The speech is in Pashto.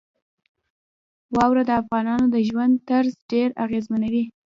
واوره د افغانانو د ژوند طرز ډېر اغېزمنوي.